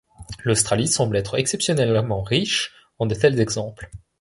L'Australie semble être exceptionnellement riche en de tels exemples.